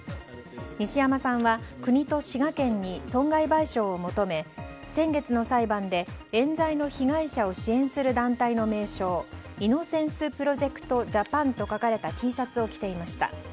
西山さんは国と滋賀県に損害賠償を求め先月の裁判で冤罪の被害者を支援する団体の名称イノセンス・プロジェクト・ジャパンと書かれたＴシャツを着ていました。